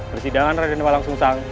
persidangan raden walang sung sang